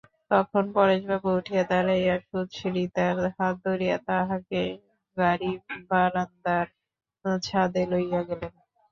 তখন পরেশবাবু উঠিয়া দাঁড়াইয়া সুচরিতার হাত ধরিয়া তাহাকে গাড়িবারান্দার ছাদে লইয়া গেলেন।